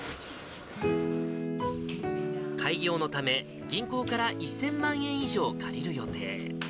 開業のため、銀行から１０００万円以上借りる予定。